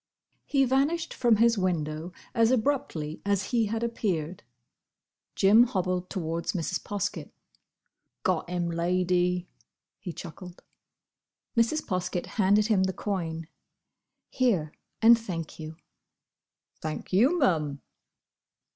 He vanished from his window as abruptly as he had appeared. Jim hobbled towards Mrs. Poskett. "Got him, Lady!" he chuckled. Mrs. Poskett handed him the coin. "Here, and thank you." "Thank you, mum."